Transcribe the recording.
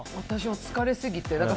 私は疲れすぎて。